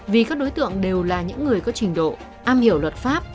vì các đối tượng đều là những người có trình độ am hiểu luật pháp